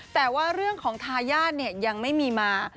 แต่ว่าเรื่องของทายาทยังไม่มีมา